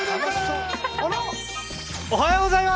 おはようございます。